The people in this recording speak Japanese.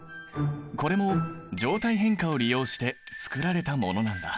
これも状態変化を利用して作られたものなんだ。